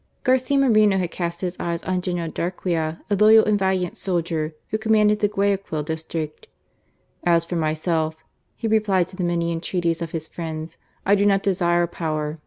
Garcia Moreno had cast his eyes on General Darquea, a loyal and valiant soldier, who commanded the Guayaquil district. *' As for myself," he replied to the many entreaties of his friends, " I do not desire power.